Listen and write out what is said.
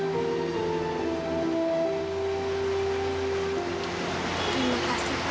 terima kasih pak